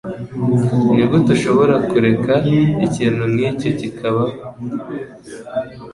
Nigute ushobora kureka ikintu nkicyo kibaho?